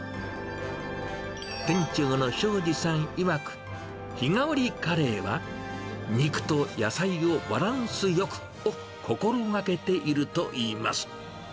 店長の庄司さんいわく、日替わりカレーは、肉と野菜をバランスよくを心がけているといいます。